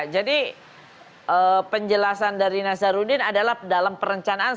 jadi penjelasan dari nazarudin adalah dalam perencanaan